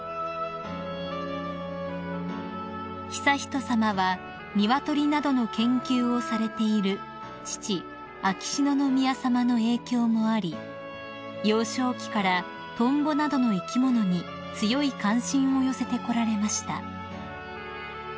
［悠仁さまは鶏などの研究をされている父秋篠宮さまの影響もあり幼少期からトンボなどの生き物に強い関心を寄せてこられました］